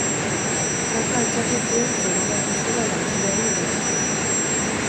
Jaka altxatu zuen zeraman pistola langileari erakusteko.